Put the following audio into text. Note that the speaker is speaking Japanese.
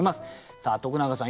さあ徳永さん